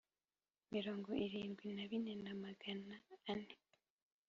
mirongo irindwi na bine na Magana ane